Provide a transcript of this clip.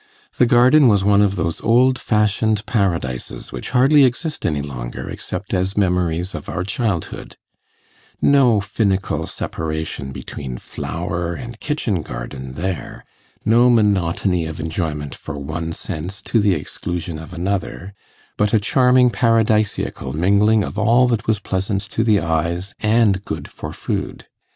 The garden was one of those old fashioned paradises which hardly exist any longer except as memories of our childhood: no finical separation between flower and kitchen garden there; no monotony of enjoyment for one sense to the exclusion of another; but a charming paradisiacal mingling of all that was pleasant to the eyes and good for food.